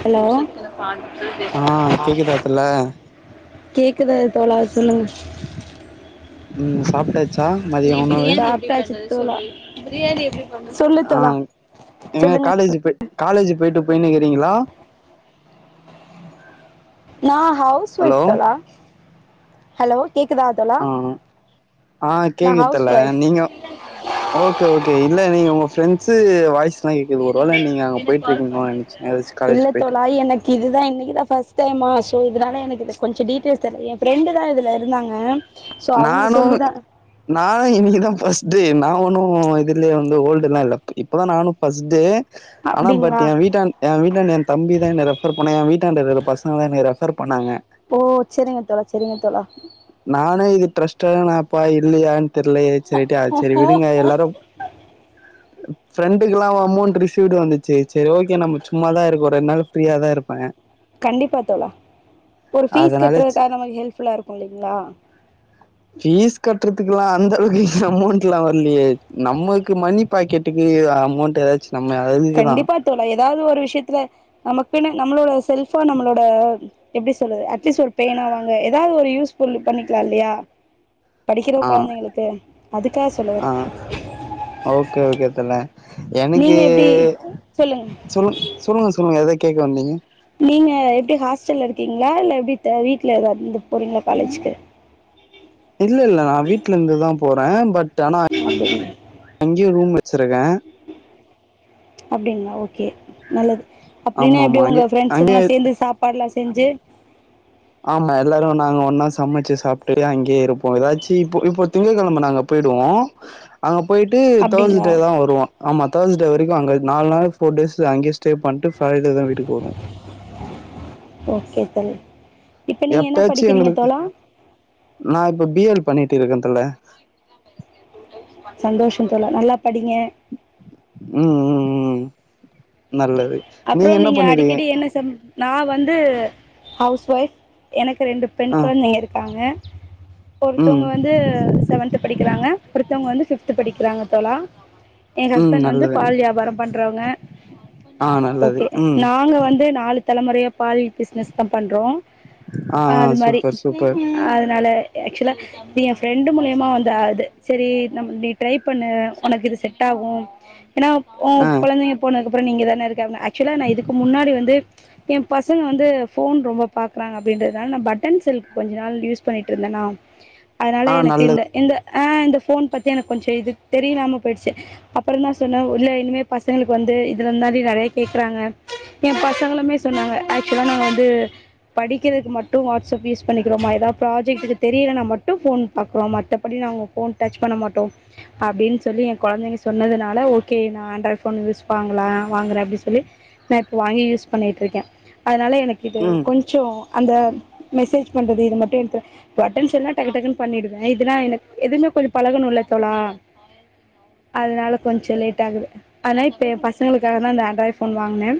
hello ஆ கேக்குதா தல கேக்குது தோழ சொல்லுங் ம் சாப்டாச் சாப்டாச்சி தோழா சொல்லு ஆ தோழா எங்க சொல்லுங்க காலேஜ் போய் காலேஜ் போயிட்டு போயினுக்கிறீங்ளா நா ஹவுஸ் ஹலோ ஒயிஃப் தோழா ஹலோ கேக்குதா தோழ ஆ அ ஆ கேக்குது ஹவுஸ் தோழா ஒய்ஃப் நீங்கோ ஓகே ஓகே இல்ல நீங்க உங்க ஃரெண்ட்ஸ்சு வாய்ஸ் லா கேக்குது ஒரு வேல நீங்க அங்க போயிட்டிருக்கிங்லோ நெனச்ச ஏதாச்சு இல்ல காலஜ் போயிட் தோழா எனக்கு இதுதா இன்னைக்கு தா ஃபஸ்ட் டைம்மா சோ இதுனால எனக்கு கொஞ்சோ டீடெயில்ஸ் தெர்லயே ஃப்ரெண்டு தா இதல இருந்தாங்க சோ அவங்க நானு சொல்லிதா நா இன்னிக்குதா ஃபர்ஸ்ட் நா ஒன்னு இதுலயே வந்து ஓல்டுல்லா இல்ல இப்பதா நானு ஃபர்ஸ்டு ஆனா பட் அப்டிங்களா எயா வீட்டான் எயா வீட்டாண்ட எயா தம்பி தா என்ன ரெஃபர் பண்ணா எயா வீட்டாண்ட இருக்க பசங்க தா என்னய ரெஃபர் பண்ணாங்க ஓ செரிங்க தோழா செரிங்க தோழா நானே இது டிரஸ்ட்டான ஆப்பா இல்லியான் தெர்லயெ சொல்டு சேரி விடுங்க எல்லாரு ஃப்ரெண்டுக்குலா அமௌண்ட் ரிசீவ்டு வந்துச்சு செரி ஓகே நம்ம சும்மாதா இருக்கோ ரெண்டு நாள் ஃப்ரீயா தா இருப்பே கண்டிப்பா தோழா ஒரு ஃபீஸ் அதனால கட்டுறதுக்காக நமக்கு ஹெல்ப்ஃபுல்லா இருக்கும் இல்லைங்ளா பீஸ் கட்டுறதுக்லா அந்த அளவுக்கு அமௌண்ட்லா வரலியே நம்மக்கு மணி பாக்கெட்டுக்கு அமௌண்ட் ஏதாச்சு நம்ம அதுக்குதா கண்டிப்பா தோழா ஏதாவது ஒரு விஷயத்துல நமக்குன்னு நம்மளோட செல்ஃபா நம்மளோட எப்டி சொல்லுறது அட்லீஸ்ட் ஒரு பேனா வாங்க ஏதாவது ஒரு யூஸ் ஃபுல் பண்ணிக்கலா இல்லையா படிக்கிற ஆ கொழந்தைங்ளுக்கு அதுக்காக சொல்லவர ஆ ஓகே ஓகே தோழா எனக்கு நீங்க எப்டி சொல்லுங்க சொல்லுங் சொல்லுங்க சொல்லுங்க ஏதொ கேக்க வந்தீங்க நீங்க எப்டி ஹாஸ்டல்ல இருக்கீங்ளா இல்ல எப்டி வீட்டில எதாவது இருந்து போறீங்ளா காலேஜிக்கு இல்ல இல்ல நா வீட்ல இருந்துதா போறே பட் ஆனா [inaudible] அங்கேயு ரூம் வெச்சிருக்கே அப்டிங்ளா ஓகே நல்லது அப்டின்னா ஆமா ஆமா எப்டியு உங்க அங்கே ஃப்ரெண்ட்ஸ்சுங்லா அங்கேயே சேந்து சாப்பாடுலா செஞ்சு ஆமா எல்லாரு நாங்க ஒன்னா சமைச்சு சாப்டு அங்கே இருப்போ ஏதாச்சி இப்போ இப்போ திங்ககெழம நாங்க போயிடுவோ அங்க போயிட்டு அப்டிங்களா தேஸ்டே தா வருவோ ஆமா தேர்ஸ் டே வரைக்கு அங்க நால் நாள் ஃபோர் டேஸ்ஸு அங்கேயே ஸ்டே பண்ட்டு காலையில தா வீட்டுக்கு வருவோ ஓகே தோழி இப்ப நீங்க என்ன எப்பயாச்சு படிக்கிறீங்க எங்களுக்கு தோழா நா இப்போ பி எல் பண்ணீட்டு இருக்க தோழா சந்தோஷோ தோழா நல்லா படிங்க ம் ம் ம் நல்லது அப்றோ என்ன நீங்க பண்ணிருக்கீங்க அடிக்கடி என்ன சம்ப் நா வந்து ஹவுஸ் ஒய்ஃப் எனக்கு ரெண்டுப் பெண் ஆ கொழந்தைங்க இருக்காங்க ம் ஒருத்தவங்க வந்து ஒருத்தவங்க வந்து செவன்த்து படிக்கிறாங்க ஒருத்தவங்க வந்து ஃபிப்த்து படிக்கிறாங்க தோழா எங்க ம் ஹஸ்பண்ட் வந்து நல்லது பால் வியாபாரம் பண்றவங்க ஆ நல்லது ஓகே ம் நாங்க வந்து நாலு தலமுறையா பால் பிஸ்னஸ் தா பண்றோ ஆ ஆ அது மாரி சூப்பர் சூப்பர் அதனால ஆக்சுவலா அப்டி எ ஃப்ரெண்டு மூலியமா வந்த அது செரி நம் நீ ட்ரை பண்ணு உனக்கு இது செட் ஆகு ஏன்னா ஓ ஆ கொழந்தைங்க போனதுக்கு அப்புறோ நீ இங்க தான இருக்க ஆக்சுவலா நா இதுக்கு முன்னாடி வந்து எ பசங்க வந்து ஃபோன் ரொம்ப பாக்குறாங்க அப்படின்றதுனால நா பட்டன் செல்கு கொஞ்ச நாள் யூஸ் பண்ணிட்டு இருந்தனா அதனால ஆ எனக்கு நல்லது இந்த இந்த ஆ இந்த ஃபோன் பத்தி எனக்கு கொஞ்சோ இது தெரியாம போயிருச்சு அப்புறோ தா சொன்னே உள்ள இனிமே பசங்களுக்கு வந்து இதுல இருந்துதாடி நறைய கேக்குறாங்க எ பசங்களுமே சொன்னாங்க ஆக்சுவலா நாங்க வந்து படிக்கிறதுக்கு மட்டு வாட்ஸ்அப் யூஸ் பண்ணிக்கிறோமா ஏதாது ப்ராஜெக்டுக்கு தெரிலனா மட்டு ஃபோன் பாக்குறோமா மத்தபடிலா ஒ ஃபோன் டச் பண்ண மாட்டோ அப்டீன்னு சொல்லி எ கொழந்தைங்க சொன்னதுனால ஓகே நா ஆண்ட்ராய்ட் ஃபோன் யூஸ் வாங்கலா வாங்குற அப்டி சொல்லி நா இப்ப வாங்கி யூஸ் பண்ணிட்ருக்க அதனால எனக்கு இது ம் கொஞ் சோ அந்த மெசேஜ் பண்றது இது மட்டு எடுப்ப பட்டன் செல்னா டக்கு டக்குன்னு பண்ணிடுவ இதுனா எனக் எதுமே கொஞ்சோ பழகனோ இல்ல தோழா அதனால கொஞ்சோ லேட் ஆகுது ஆனா இப்ப எ பசங்களுக்காக தா இந்த ஆண்ட்ராய்ட் ஃபோன் வாங்குனே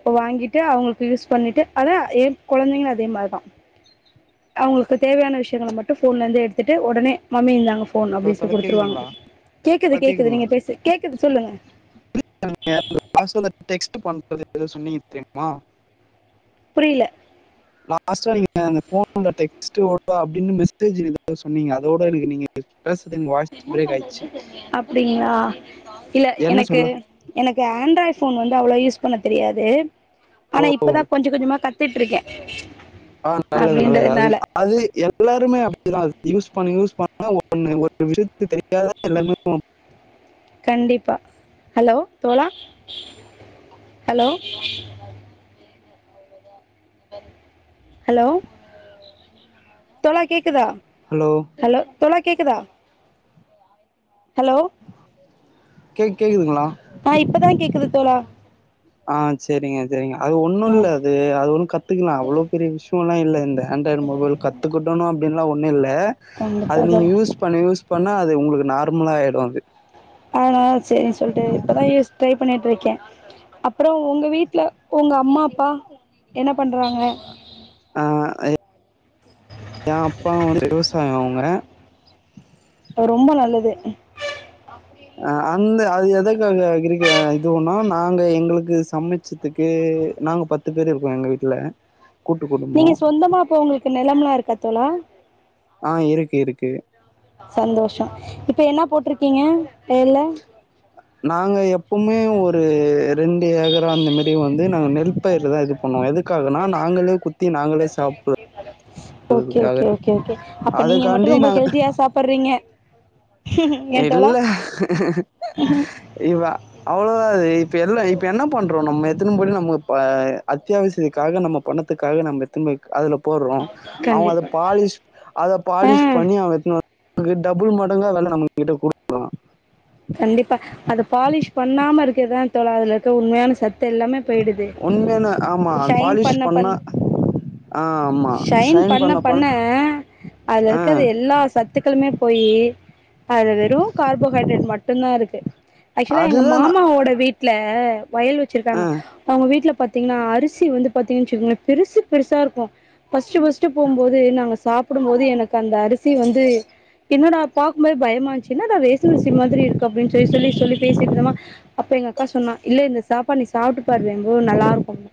இப்ப வாங்கிட்டு அவுங்குளுக்கு யூஸ் பண்ணிட்டு அதா எ கொழந்தைங்களு அதே மாரிதா அவுங்குளுக்கு தேவையான விஷயங்கள மட்டு ஃபோன்ல இருந்து எடுத்துட்டு ஒடனே மம்மி இந்தாங்க ஃபோன் ஹலோ அப்டி சொ தல குடுத்துருவாங்க கேக்குதுங்களா கேக்குது கேக்குது கேக்குதுங்களா நீங்க பேசு கேக்குது சொல்லுங்க [unintelligible] டெக்ஸ்ட் பண்றது எத சொன்னீங்க தெரியுமா புரியுல லாஸ்ட்டா நீங்க அந்த ஃபோன்ல டெக்ஸ்ட்டு ஓடு அப்டீன்னு மெசேஜ்ஜு ஏதோ சொன்னீங்க அதோட எனக்கு நீங்க நீங்க பேசறது எனக்கு வாய்ஸ் பிரேக் ஆயிடுச்சு அப்டீங்ளா இல்ல என்ன எனக்கு சொல்ல எனக்கு ஆண்ட்ராய்ட் ஃபோன் வந்து அவ்ளோ யூஸ் பண்ண தெரியாது ஆனா ஓ இப்பதா கொஞ்ச கொஞ்சமா கத் துட்டிருக்கே ஆ நல்லது நல்லது அது அது எல்லாருமே அப்டிதா அது யூஸ் பண்ண யூஸ் பண்ண ஒன்னு ஒரு விஷயத்து தெரியாத எல்லாருமே கண்டிப்பா ஹலோ தோழா ஹலோ ஹலோ தோழா கேக்குதா ஹலோ ஹலோ தோழா கேக்குதா ஹலோ கேக் கேக்குதுங்களா ஆ இப்பதா கேக்குது தோழா ஆ செரிங்க செரிங்க அது ஒண்ணு ஆ இல்ல அது அது ஒண்ணு கத்துகலா அவ்ளோ பெரிய விஷ்யோலா இல்ல இந்த ஆண்ட்ராய்டு மொபைல் கத்துக்குட்டோணு அப்படின்லா ஒன்னு இல்ல அத கண்டிப்பா நீங்க தோழா யூஸ் யூஸ் பண்ண யூஸ் பண்ண அது உங்குளுக்கு நார்மலா ஆயிடு அது ஆதனால சரின்னு சொல்ட்டு இப்பதா யூஸ் ட்ரை பண்ணிட்டு இருக்கே அப்புறோ உங்க வீட்ல உங்க அம்மா அப்பா என்ன பண்றாங்க ஆ எ ஏ அப்பா வந்து விவசாயோ அவுங்க ரொம்போ நல்லது அ அந்த அது எதக்காக இருக்க இது ஒண்ணா நாங்க எங்குளுக்கு சமச்சு இதுக்கு நாங்க பத்து பேர் இருக்கோ எங்க வீட்ல கூட்டு குடும்போ நீங்க சொந்தமா அப்போ உங்களுக்கு நிலம்ல்லா இருக்காத் தோழா ஆ இருக் இருக்கு சந்தோஷம் இப்ப என்ன போட்டிருக்கீங்க வயல்ல நாங்க எப்பமே ஒரு ரெண்டு ஏக்கரா அந்த மாரி வந்து நாங்க நெல் பயிர்லதா இது பண்ணுவோ எதுக்காகனா நாங்களே குத்தி நாங்களே சாப்ட ஒகே ஒகே ஒகே ஒகே அப்ப நீங்க மட்டும் அதுக்காண்டி ரொம்ப நாங்க ஹெல்தியா சாப்டுறீங்க இல்ல இவா அவ்ளதா அது இப்ப எல்லா இப்ப என்ன பண்றோ நம்ம எத்துனு போய்ட்டு நம்ம ப அத்தியாவசியத்துக்காக நம்ம பணதுக்காக நம்ம எடுத்துனுப்போயி அதுல போடுறோ அவங்க அதுல கண்டிப்பா பாலிஷ் அத பாலிஷ் ஆ பண்ணி அவ எத்துனு வர்ரகு டபுள் மடங்கா வெல நம்ம கிட்ட குடு கண்டிப்பா அது பாலிஷ் பண்ணாம இருக்கிறதா தோழா அதுல இருக்க உண்மையான சத்து தெல்லாமே போய்டுது உண்மையான ஆமா ஷைன் பாலிஷ் பண்ண பண் பண்ணா ஷைன் பண்ண பண்ண அதுல ஆ இருக்க எல்லா சத்துக்களுமே போய் அதுல வெறு கார்போஹைட்ரேட் மட்டு மட்டும்தா இருக்கு ஆக்சுவலா எங்க அதுதான் நா மாமாவோட வீட்ல வயல் வச்சிருக்காங்க ஆ அவங்க வீட்ல பாத்தீங்கனா அரிசி வந்து பாத்தீங்கன் வச்சுக்கோங்களே பெருசு பெருசா இருக்கு ஃபர்ஸ்ட்டு ஃபர்ஸ்ட்டு போம்போது நாங்க சா ப்டும்போது எனக்கு அந்த அரிசி வந்து என்னடா பாக்கு போது பயமா இருந்துச்சு என்னடா ரேஷன் அரிசி மாதிரி இருக்கு அப்டின் சொல்லி சொல்லி சொல்லி பேசிட்டு இருந்தமா அப்ப எங்க அக்கா சொன்னா இல்ல இந்த சாப்பாடு நீ சாப்ட்டு பாரு வேம்பு நல்லாருக்கு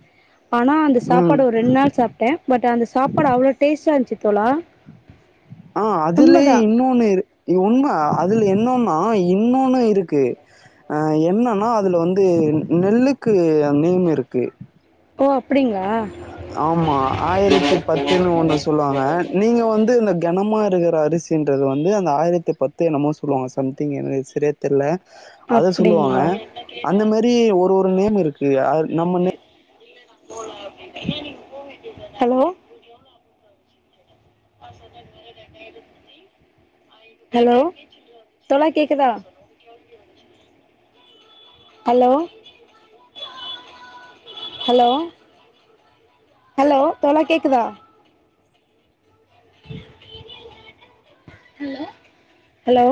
ஆனா அந்த ம் சாப்பாடு ஒரு ரெண்டு நாள் சாப்ட் ட்டேன் பட் அந்த சாப்பாடு அவ்ளோ டேஸ்டா இருந்துச்சுத் தோழா ஆ அதுலயே உண்மதா இன்னொன்னு இருக்கு உண்ம அதுல என்னனா இன்னொன்னு இருக்கு ம் என்னனா அதுல வந்து நெல்லுக்கு நேம் இருக்கு ஓ அப்படிங்ளா ஆமா ஆயிரத்தி பத்துன்னு ஒன்னு சொல்லுவாங்க நீங்க வந்து இந்த கனமாக இருக்கிற அரிசின்றது வந்து அந்த ஆயிரத்தி பத்து என்னமோ சொல்லுவாங்க சம்திங் எனக் சரியா தெரியல அத அப்டிங்களா சொல்லுவாங்க அந்த மாரி ஒரு ஒரு நேம் இருக்கு அ நம்ம ஹலோ ஹலோ தோழா கேக்குதா ஹலோ ஹலோ ஹலோ தோழா கேக்குதா ஹல்லோ ஹலோ